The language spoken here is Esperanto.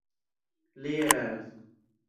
Li eraras.